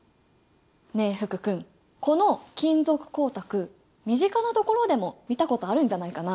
ねえ福君この金属光沢身近なところでも見たことあるんじゃないかな？